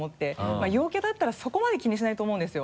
まぁ陽キャだったらそこまで気にしないと思うんですよ。